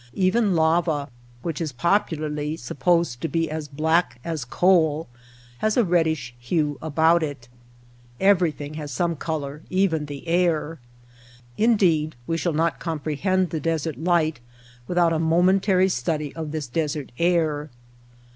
Even lava, which is popularly supposed to be as black as coal, has a reddish hue about it. Everything has some color — even the air. Indeed, we shall not comprehend the desert light without a mo mentary study of this desert air.